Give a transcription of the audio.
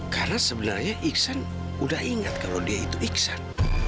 karena sebenarnya iksan sudah ingat kalau dia itu iksan